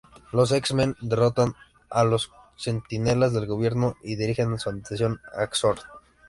Los X-Men derrotan a los Centinelas del gobierno y dirigen su atención a Xorn.